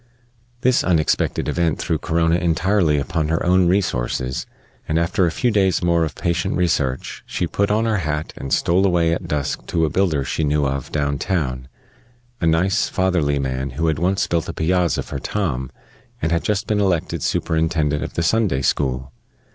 This unexpected event threw Corona entirely upon her own resources; and, after a few days more of patient research, she put on her hat, and stole away at dusk to a builder she knew of down town a nice, fatherly man who had once built a piazza for Tom and had just been elected superintendent of the Sunday school.